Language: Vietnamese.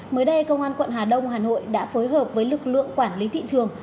mới đây công an quận hà đông hà nội đã phối hợp với lực lượng quản lý thị trường